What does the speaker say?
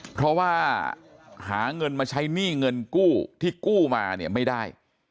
เพราะว่าหาเงินมาใช้หนี้เงินกู้ที่กู้มาเนี่ยไม่ได้